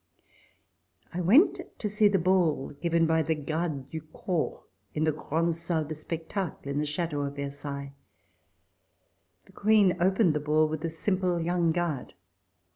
I went to see the ball given by the Gardes du Corps in the Grande Salle de Spectacle, in the Chateau of Versailles. The Queen opened the ball with a simple young guard.